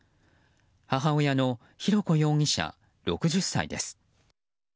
母親の浩子容疑者、６０歳です。